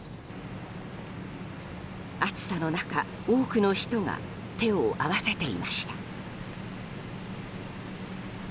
暑さの中、多くの人が手を合わせていました。